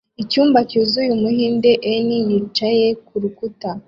Icyumba cyuzuye Umuhinde en yicaye kurukuta